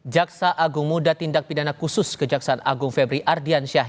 jaksa agung muda tindak pidana khusus kejaksaan agung febri ardiansyah